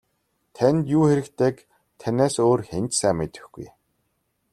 Танд юу хэрэгтэйг танаас өөр хэн ч сайн мэдэхгүй.